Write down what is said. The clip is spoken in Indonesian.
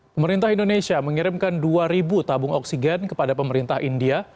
pemerintah indonesia mengirimkan dua tabung oksigen kepada pemerintah india